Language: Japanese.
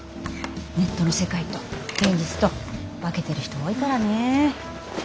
ネットの世界と現実と分けてる人多いからね。